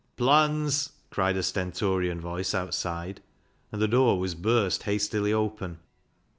" Plans," cried a stentorian voice outside, and the door was burst hastily open.